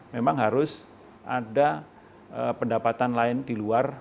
memang harus ada pendapatan lain di luar